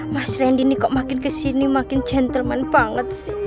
mas randi kok makin kesini makin gentleman banget sih